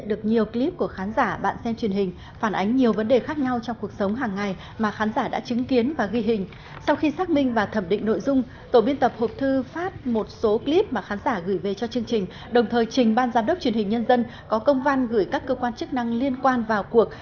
đồng thời trình ban giám đốc truyền hình nhân dân có công văn gửi các cơ quan chức năng liên quan vào cuộc